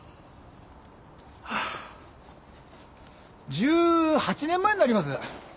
１８年前になります。